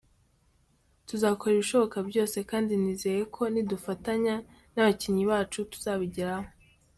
Tuzakora ibishoboka byose kandi nizeye ko nidufatanya n’abakinnyi bacu tuzabigeraho.